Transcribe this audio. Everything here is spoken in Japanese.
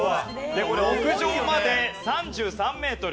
でこれ屋上まで３３メートル。